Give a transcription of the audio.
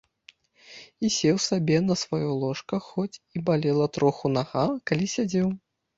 І сеў сабе на сваё ложка, хоць і балела троху нага, калі сядзеў.